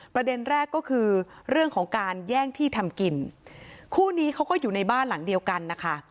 ประเด็นแรกก็คือเรื่องของการแย่งที่ทำกินคู่นี้เขาก็อยู่ในบ้านหลังเดียวกันนะคะ